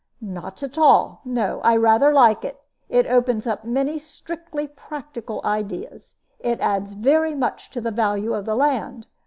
"Not at all. No, I rather like it. It opens up many strictly practical ideas. It adds very much to the value of the land.